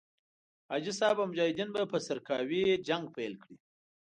حاجي صاحب او مجاهدین به په سرکاوي جنګ پيل کړي.